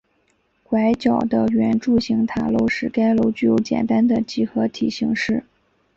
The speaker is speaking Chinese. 拐角的圆柱形塔楼使该楼具有简单的几何体形式。